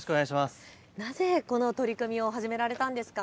なぜこの取り組みを始められたんですか。